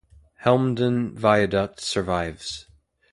Helmdon Viaduct survives.